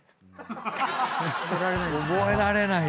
覚えられない？